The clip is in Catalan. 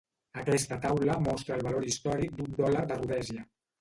Aquesta taula mostra el valor històric d'un dòlar de Rhodèsia.